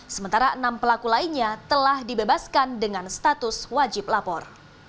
sementara enam pelaku lainnya telah dibebaskan dengan status wajib lapor